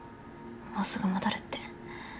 もうすぐ戻るって。